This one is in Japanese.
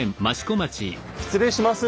失礼します。